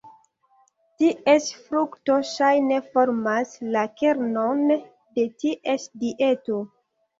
Ties frukto ŝajne formas la kernon de ties dieto.